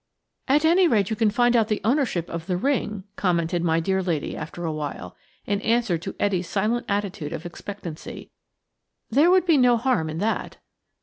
"At any rate you can find out the ownership of the ring," commented my dear lady after awhile, in answer to Etty's silent attitude of expectancy. "There would be no harm in that."